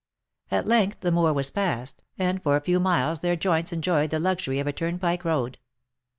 At length the moor was passed, and for a few miles their joints en joyed the luxury of a turnpike road.